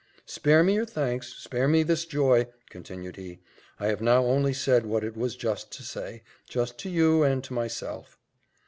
Spare me your thanks spare me this joy," continued he; "I have now only said what it was just to say just to you and to myself."